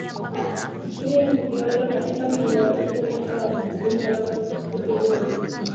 nld kilicho jiondoa katika kinyanganyiro hicho yakipinga namna uchaguzi huo ulivyofanyika